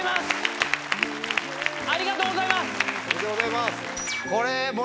おめでとうございます。